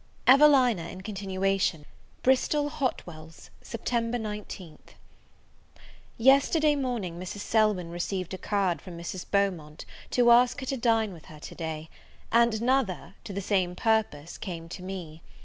EVELINA IN CONTINUATION. Bristol Hotwells, Sept. 19th. YESTERDAY morning Mrs. Selwyn received a card from Mrs. Beaumont, to ask her to dine with her to day: and another, to the same purpose, came to me.